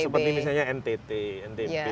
seperti misalnya ntt ntp